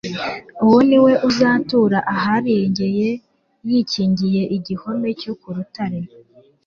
Uwo ni we uzatura aharengeye yikingire igihome cyo ku rutare,